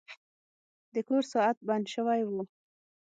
د کور ساعت بند شوی و.